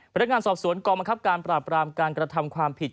พนักงานสอบสวนกองบังคับการปราบรามการกระทำความผิด